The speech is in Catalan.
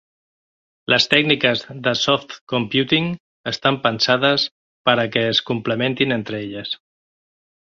Les tècniques de Soft Computing estan pensades per a que es complementin entre elles.